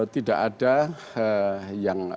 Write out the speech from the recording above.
tidak ada yang